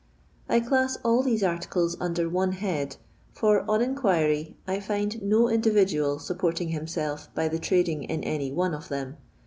I CLASS all these articles under one head, for, on inquiry, I find no individual supporting himself by the trading in any one of them.